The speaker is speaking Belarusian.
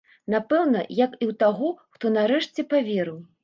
Напэўна, як і ў таго, хто нарэшце паверыў.